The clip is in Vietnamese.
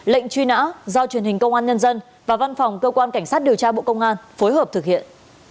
lệnh truy nã do truyền hình công an nhân dân và văn phòng cơ quan cảnh sát điều tra bộ công an phối hợp thực hiện